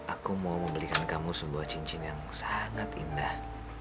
aku mau membelikan kamu sebuah cincin yang sangat indah